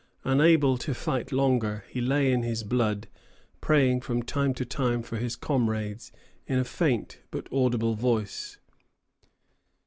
Unable to fight longer, he lay in his blood, praying from time to time for his comrades in a faint but audible voice.